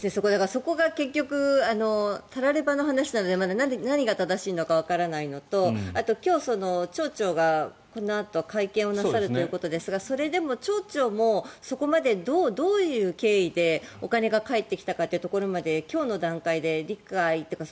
そこが結局たらればの話なので何が正しいのかわからないのとあと、今日、町長がこのあと会見をなさるということですがそれでも町長もそこまでどういう経緯でお金が返ってきたかというところまで今日の段階で理解というか